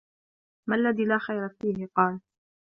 مَا الَّذِي لَا خَيْرَ فِيهِ ؟ قَالَ